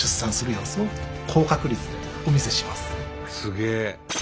すげえ！